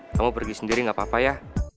kamu pergi sendiri nggak apa apa ya